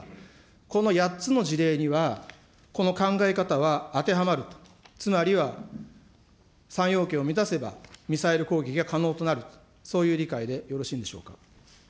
この８つの事例には、この考え方は当てはまると、つまりは、３要件を満たせば、ミサイル攻撃が可能となる、そういう理解でよろしいんでしょうか。